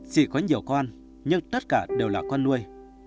dị có nhiều con nhưng tất cả đều là con nuôi